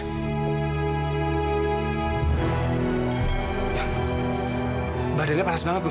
ya bud yaudah kita bawa ke dalam aja yuk